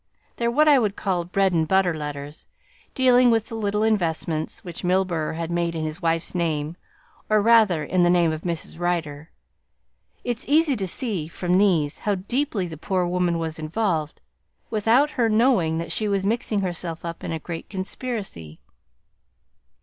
They're what I would call bread and butter letters, dealing with little investments which Milburgh has made in his wife's name or rather, in the name of Mrs. Rider. It's easy to see from these how deeply the poor woman was involved without her knowing that she was mixing herself up in a great conspiracy."